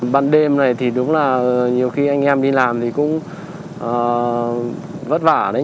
ban đêm này thì đúng là nhiều khi anh em đi làm thì cũng vất vả đấy